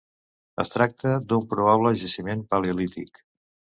Es tracta d’un probable jaciment paleolític.